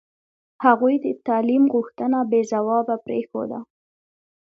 هغوی د تعلیم غوښتنه بې ځوابه پرېښوده.